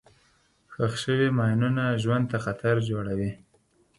ښخ شوي ماینونه ژوند ته خطر جوړوي.